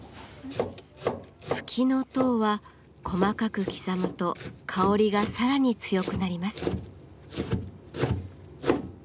フキノトウは細かく刻むと香りがさらに強くなります。